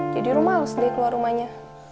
jadi rumah harus deh keluar rumahnya